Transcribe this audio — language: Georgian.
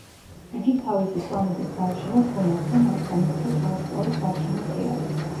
იგი თავისი პლანეტის გარშემო ბრუნავს და მასთან ერთად ვარსკვლავის გარშემო ტრიალებს.